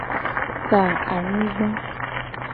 Sa anyigba.